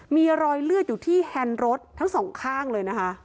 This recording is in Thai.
มีรอยเลือดอยู่ที่แฮนด์รถทั้งสองข้างเลยนะคะ